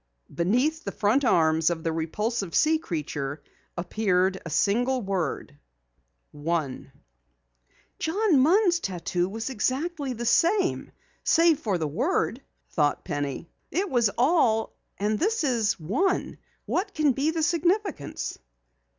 Beneath the front arms of the repulsive sea creature appeared a single word: One. "John Munn's tattoo was exactly the same, save for the word!" thought Penny. "It was 'All' while this is 'One.' What can be the significance?"